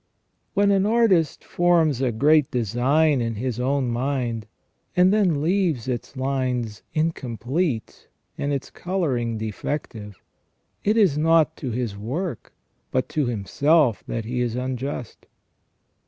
When an artist forms a great design in his own mind, and then leaves its lines incomplete and its colouring defective, it is not to his work but to himself that he is unjust.